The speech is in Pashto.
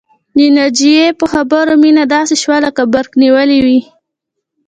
د ناجيې په خبرو مينه داسې شوه لکه برق نيولې وي